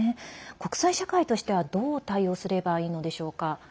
国際社会としてはどう対応すればいいのでしょうか。